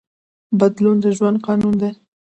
بدلون د ژوند قانون دی.